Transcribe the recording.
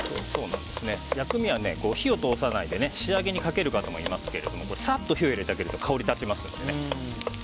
薬味は火を通さないで仕上げにかける方もいますけどさっと火を入れると香りが立ちますので。